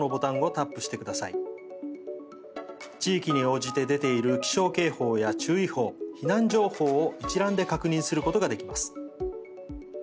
地域に応じて出ている気象警報や注意報避難情報を一覧で確認することができます。